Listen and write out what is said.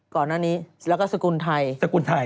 ก่อนอันนี้แล้วก็สกุลไทย